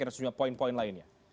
sejumlah poin poin lainnya